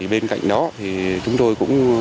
bên cạnh đó chúng tôi cũng